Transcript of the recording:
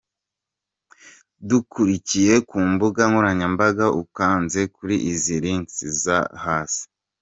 Dukurikire ku mbuga nkoranyambaga ukanze kuri izi links zo hasi.